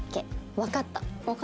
「わかった」？